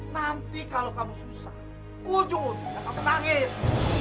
nanti kalau kamu susah ujung ujung akan ketangis